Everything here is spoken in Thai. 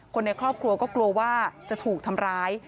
คนในครอบครัวก็กลัวว่าจะถูกทำร้าย